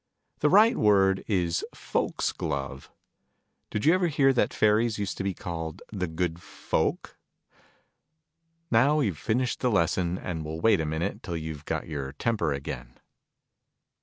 The right word is "Folk's Gloves." Did you ever hear that Fairies used to be called " the good Folk"? Now we've finished the lesson, and we'll wait a minute, till you've got your temper again.